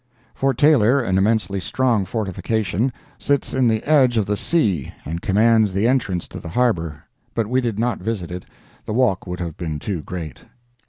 Fort Taylor, an immensely strong fortification, sits in the edge of the sea and commands the entrance to the harbor, but we did not visit it—the walk would have been too great.